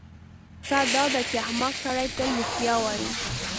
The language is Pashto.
ښه داده چې احمق سړی تل رښتیا ووایي.